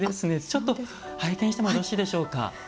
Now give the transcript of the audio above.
ちょっと拝見してもよろしいでしょうか。